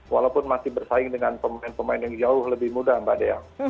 walaupun masih bersaing dengan pemain pemain yang jauh lebih muda mbak dea